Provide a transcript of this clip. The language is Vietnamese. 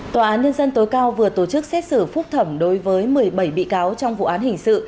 tòa án nhân dân tối cao vừa tổ chức xét xử phúc thẩm đối với một mươi bảy bị cáo trong vụ án hình sự